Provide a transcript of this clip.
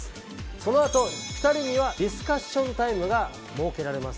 そのあと２人にはディスカッションタイムが設けられます。